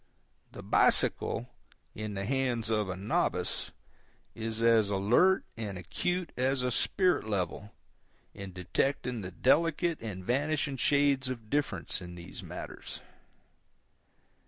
The bicycle, in the hands of a novice, is as alert and acute as a spirit level in the detecting of delicate and vanishing shades of difference in these matters.